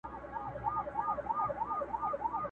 كه موږك هر څه غښتلى گړندى سي!.